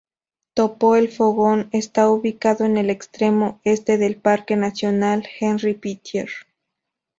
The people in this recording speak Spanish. Topo el Fogón está ubicado en el extremo Este del parque nacional Henri Pittier.